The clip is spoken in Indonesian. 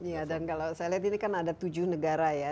iya dan kalau saya lihat ini kan ada tujuh negara ya